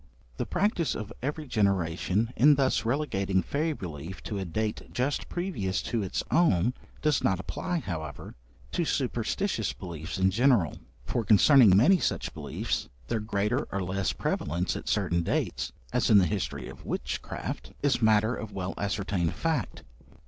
The practice of every generation in thus relegating fairy belief to a date just previous to its own does not apply, however, to superstitious beliefs in general; for, concerning many such beliefs, their greater or less prevalence at certain dates (as in the history of witchcraft) is matter of well ascertained fact.